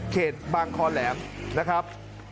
เขตบางคอแหลมนะครับ